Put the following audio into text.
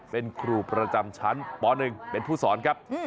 เป็นครูประจำชั้นป๑เป็นผู้สอนครับ